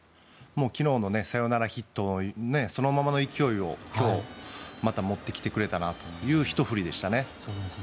昨日のサヨナラヒットそのままの勢いを今日、また持ってきてくれたなというひと振りでしたね。